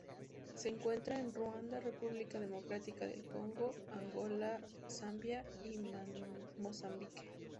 Se encuentra en Ruanda, República Democrática del Congo Angola Zambia y Mozambique.